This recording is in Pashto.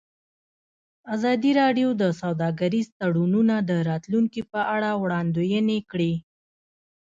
ازادي راډیو د سوداګریز تړونونه د راتلونکې په اړه وړاندوینې کړې.